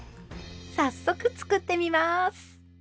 早速作ってみます。